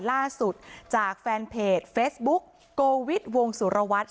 ล่าสุดจากแฟนเพจเฟสบุ๊คก็วิสวงศุลาวัฒน์